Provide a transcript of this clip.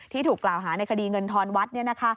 ถูกกล่าวหาในคดีเงินทอนวัด